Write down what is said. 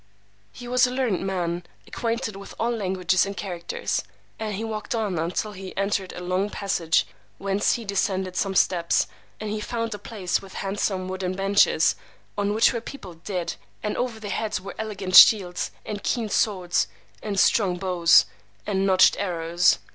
He was a learned man, acquainted with all languages and characters. And he walked on until he entered a long passage, whence he descended some steps, and he found a place with handsome wooden benches, on which were people dead, and over their heads were elegant shields, and keen swords, and strung bows, and notched arrows.